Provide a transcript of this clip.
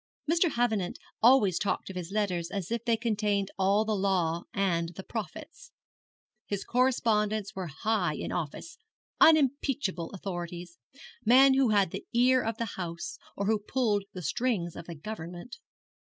Mr. Havenant always talked of his letters as if they contained all the law and the prophets. His correspondents were high in office, unimpeachable authorities, men who had the ear of the House, or who pulled the strings of the Government.